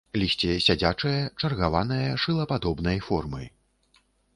Лісце сядзячае, чаргаванае, шылападобнай формы.